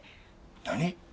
何！？